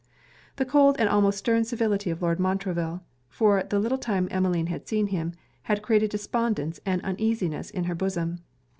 The cold and almost stern civility of Lord Montreville, for the little time Emmeline had seen him, had created despondence and uneasiness in her bosom.